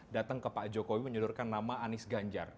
datang ke pak jokowi menyodorkan nama anies ganjar